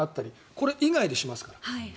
これ以外でしますから。